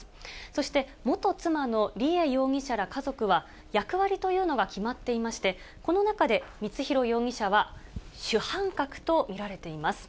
そして、元妻の梨恵容疑者ら家族は、役割というのが決まっていまして、この中で光弘容疑者は主犯格と見られています。